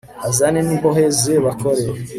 azane n imbohe ze bakore